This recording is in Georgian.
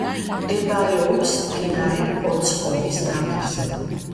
მდებარეობს მდინარე ფოცხოვის ნაპირზე.